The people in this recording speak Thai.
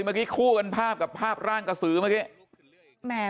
เมื่อกี้คู่เป็นภาพกับภาพร่างกระสือเมื่อกี้